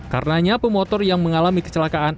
karenanya pemotor yang mengalami kecelakaan